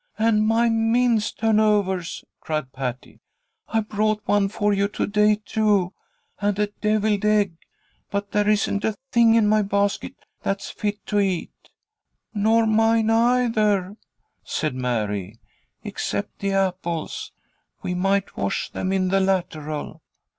"And my mince turnovers," cried Patty. "I brought one for you to day, too, and a devilled egg. But there isn't a thing in my basket that's fit to eat." "Nor mine, either," said Mary, "except the apples. We might wash them in the lateral."